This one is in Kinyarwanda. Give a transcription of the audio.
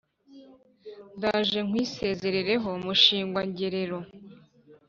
Ndaje nkwisezereho mushingwa ngerero